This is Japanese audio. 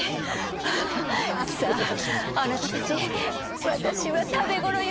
アハハさああなたたち私は食べ頃よ！